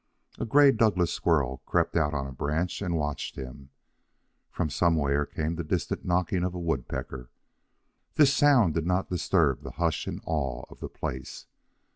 A gray Douglas squirrel crept out on a branch and watched him. From somewhere came the distant knocking of a woodpecker. This sound did not disturb the hush and awe of the place.